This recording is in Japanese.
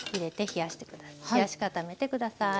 冷やし固めて下さい。